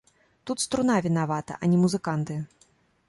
Тут струна вінавата, а не музыканты.